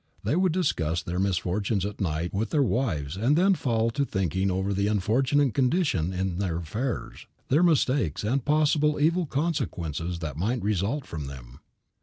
They would discuss their misfortunes at night with their wives and then fall to thinking over the unfortunate conditions in their affairs, their mistakes, and the possible evil consequences that might result from them.